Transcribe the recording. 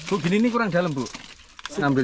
oh gini ini kurang dalam